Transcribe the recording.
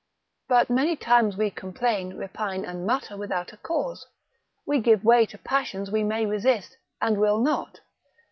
But many times we complain, repine and mutter without a cause, we give way to passions we may resist, and will not.